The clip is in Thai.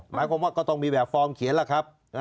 หมายความว่าก็ต้องมีแบบฟอร์มเขียนล่ะครับ